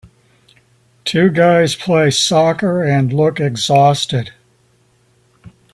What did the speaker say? two guys play soccer and look exhausted